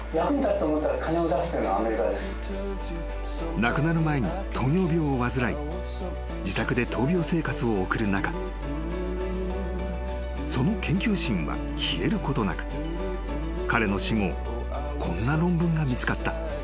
［亡くなる前に糖尿病を患い自宅で闘病生活を送る中その研究心は消えることなく彼の死後こんな論文が見つかった］